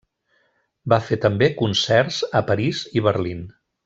Va fer també concerts a París i Berlín.